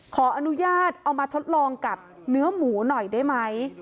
ขออนุญาตเอามาทดลองกับเนื้อหมูหน่อยได้ไหม